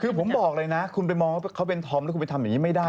คือผมบอกเลยนะคุณไปมองว่าเขาเป็นธอมแล้วคุณไปทำอย่างนี้ไม่ได้